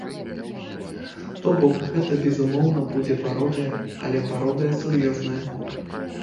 То бок, гэта безумоўна будзе пародыя, але пародыя сур'ёзная.